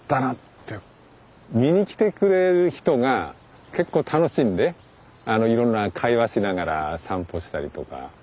見に来てくれる人が結構楽しんでいろんな会話しながら散歩したりとかやってる。